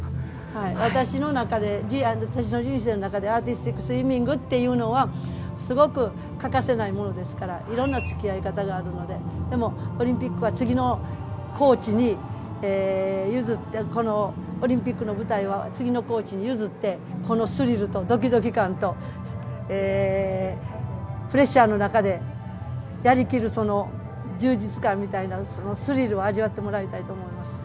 私の中で、私の人生の中でアーティスティックスイミングっていうのは欠かせないものですから、いろんな付き合い方があるので、でもオリンピックは次のコーチに譲って、オリンピックの舞台は次のコーチに譲って、このスリルとドキドキ感とプレッシャーの中でやりきる、その充実感みたいな、スリルを味わってもらいたいと思います。